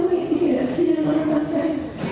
mengimplikasi dan menangkan saya